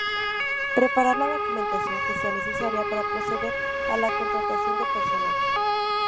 Preparar la documentación que sea necesaria para proceder a la contratación de personal.